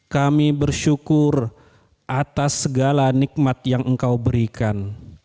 kami bersyukur atas segala nikmat yang engkau berikan